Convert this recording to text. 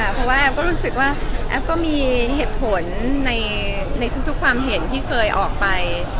เพราะว่าแอฟก็รู้สึกว่าแอฟก็มีเหตุผลในทุกความเห็นที่เคยออกไป